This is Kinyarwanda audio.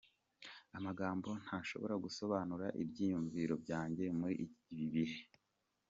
Amagambo ntashobora gusobanura ibyiyumviro byanjye muri ibi bihe.